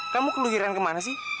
kamu keluhiran kemana sih